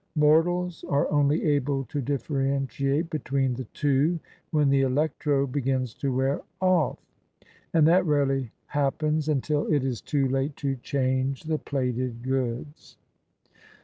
Mortals are only able to differen tiate between the two when the electro begins to wear off: and that rarely happens until it is too late to change the plated goods.